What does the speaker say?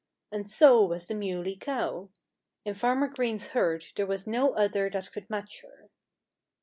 And so was the Muley Cow. In Farmer Green's herd there was no other that could match her.